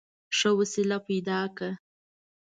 ښه وسیله پیدا کړه.